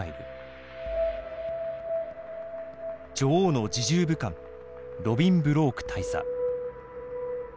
女王の侍従武官ロビン・ブローク大佐。